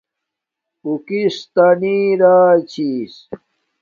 اُو کس تا نی را چھس